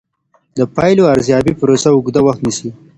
د پایلو د ارزیابۍ پروسه اوږده وخت نیسي.